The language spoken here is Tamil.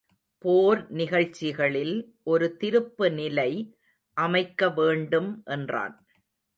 போர் நிகழ்ச்சிகளில் ஒரு திருப்பு நிலை அமைக்க வேண்டும் என்றான்.